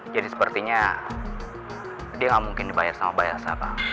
jadi sepertinya dia gak mungkin dibayar sama bayar sahabat